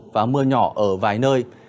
và mưa nhỏ ở vài nơi